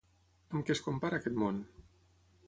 Amb què es compara aquest món?